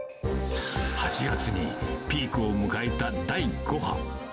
８月にピークを迎えた第５波。